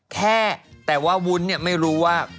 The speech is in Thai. แค่แต่ว่าวุ้นเนี่ยไม่รู้ว่า